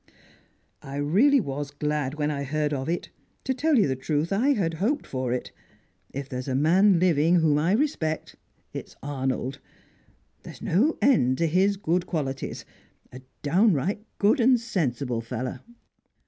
"I really was glad when I heard of it! To tell you the truth, I had hoped for it. If there is a man living whom I respect, it is Arnold. There's no end to his good qualities. A downright good and sensible fellow!"